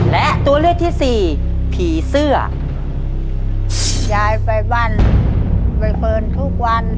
และตัวเลือกที่สี่ผีเสื้อยายไปบ้านใบเฟิร์นทุกวัน